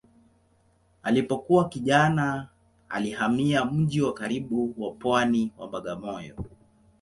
Alipokuwa kijana alihamia mji wa karibu wa pwani wa Bagamoyo.